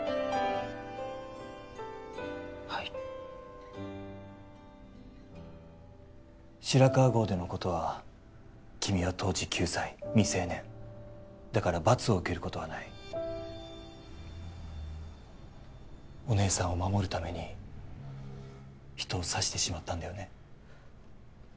はい白川郷でのことは君は当時９歳未成年だから罰を受けることはないお姉さんを守るために人を刺してしまったんだよね？